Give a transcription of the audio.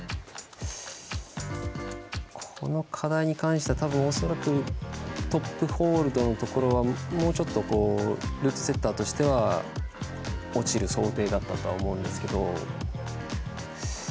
この課題に関しては恐らく、トップホールドのところもうちょっとルートセッターとしては落ちる想定だったと思いますけど。